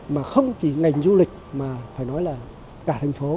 mà không chỉ ngành du lịch mà phải nói là cả thành phố